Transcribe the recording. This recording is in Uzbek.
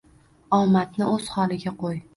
Omadni o`z holiga qo`y